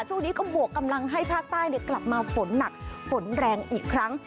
ช่วงนี้ก็บวกกำลังให้ภาคใต้กลับมาฝนหนักฝนแรงอีกครั้ง